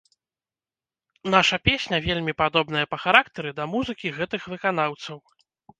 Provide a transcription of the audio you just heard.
Наша песня вельмі падобная па характары да музыкі гэтых выканаўцаў.